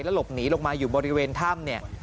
แล้วหลบหนีลงมาอยู่บริเวณถ้ำ